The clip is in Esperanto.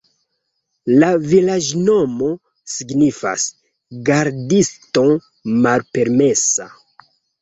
La vilaĝnomo signifas: gardisto-malpermesa.